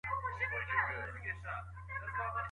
کوم عادتونه د بریالیو خلګو په ژوند کي ګډ دي؟